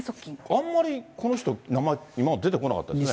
あまりこの人、名前、今まで出てこなかったですね。